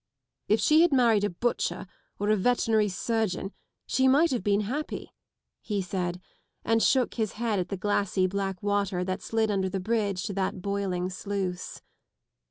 " If she had married a butcher or a veterinary surgeon she might have been happy," he said, and shook his head at the glassy black water that slid under the bridge to that boiling sluice.